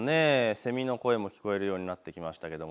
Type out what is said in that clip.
セミの声も聞こえるようになってきました。